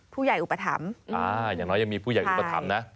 ผู้ใหญ่อุปถรรมอย่างน้อยยังมีผู้ใหญ่อุปถรรมนะ